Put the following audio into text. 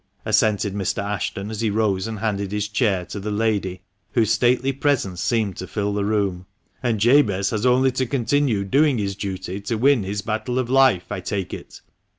assented Mr. Ashton, as he rose and handed his chair to the lady whose stately presence seemed to fill the room ;" and Jabez has only to continue doing his duty to win his battle of life, I take it.